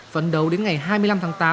phấn đấu đến ngày hai mươi năm tháng tám